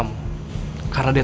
di luar neraka